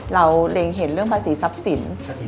เล็งเห็นเรื่องภาษีทรัพย์สิน